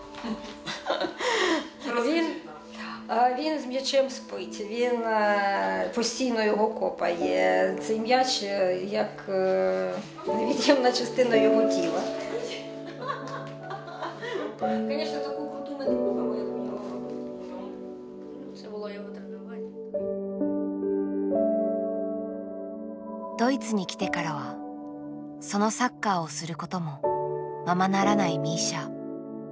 ドイツに来てからはそのサッカーをすることもままならないミーシャ。